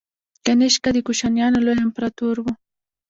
کنیشکا د کوشانیانو لوی امپراتور و